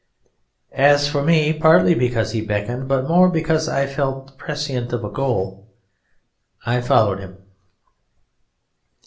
As for me, partly because he beckoned, but more because I felt prescient of a goal, I followed him.